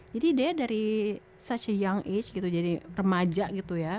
jadi dia dari seumur muda gitu jadi remaja gitu ya